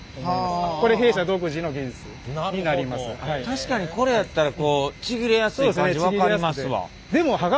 確かにこれやったらちぎれやすい感じ分かりますわ。